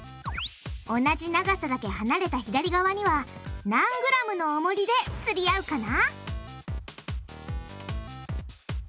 同じ長さだけ離れた左側には何ｇのおもりでつり合うかな？